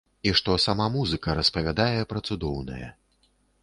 І што сама музыка распавядае пра цудоўнае.